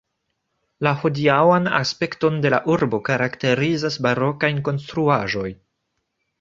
La hodiaŭan aspekton de la urbo karakterizas barokaj konstruaĵoj.